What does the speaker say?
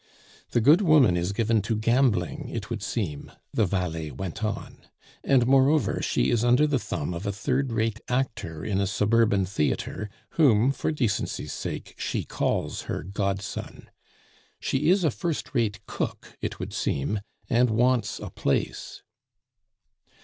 "The good woman is given to gambling, it would seem," the valet went on. "And, moreover, she is under the thumb of a third rate actor in a suburban theatre, whom, for decency's sake, she calls her godson. She is a first rate cook, it would seem, and wants a place."